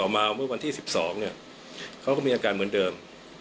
เมื่อบันที่สิบสองเนี่ยเขาก็มีอาการเหมือนเดิม